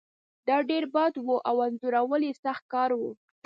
دا ډیر بد و او انځورول یې سخت کار و